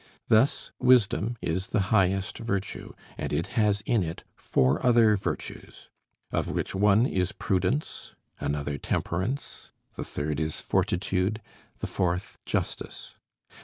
Thus, wisdom is the highest virtue, and it has in it four other virtues; of which one is prudence, another temperance, the third is fortitude, the fourth justice.